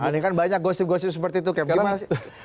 nah ini kan banyak gosip gosip seperti itu captain